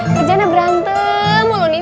kejana berantem mulu nih